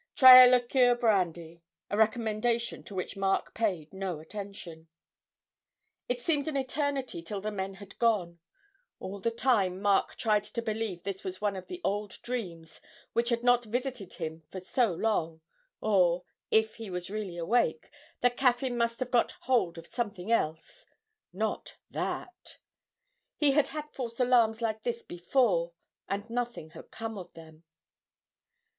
'Try a liqueur brandy' a recommendation to which Mark paid no attention. It seemed an eternity till the men had gone; all the time Mark tried to believe this was one of the old dreams which had not visited him for so long, or, if he was really awake, that Caffyn must have got hold of something else not that; he had had false alarms like this before, and nothing had come of them.